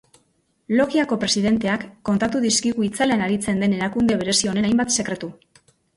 Logiako presidenteak kontatu dizkigu itzalean aritzen den erakunde berezi honen hainbat sekretu.